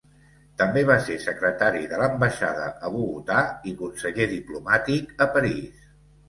També va ser secretari de l'ambaixada a Bogotà i conseller diplomàtic a París.